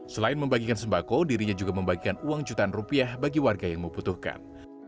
selain membagikan sembako dirinya juga membagikan uang jutaan rupiah bagi warga yang membutuhkan